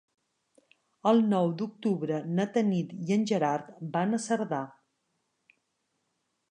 El nou d'octubre na Tanit i en Gerard van a Cerdà.